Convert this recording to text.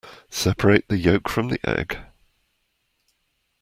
Separate the yolk from the egg.